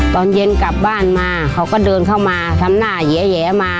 ตอนเย็นกลับบ้านมาเขาก็เดินเข้ามาทำหน้าแยะมา